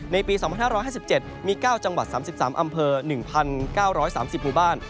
ปี๒๕๕๗มี๙จังหวัด๓๓อำเภอ๑๙๓๐หมู่บ้าน